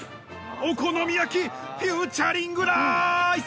お好み焼きフィーチャリングライス！